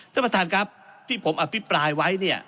ท่านประธานครับที่ผมอภิปรายไว้เนี่ย